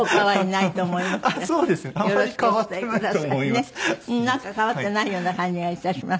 なんか変わっていないような感じが致します。